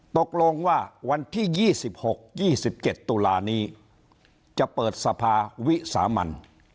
ตกลงว่าวันที่๒๖๒๗ตุลานี้จะเปิดสภาวิสามัน